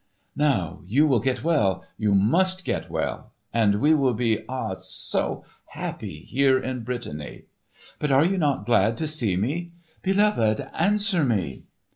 Now you will get well—you must get well—and we will be ah! so happy here in Brittany! But are you not glad to see me? Beloved, answer me!"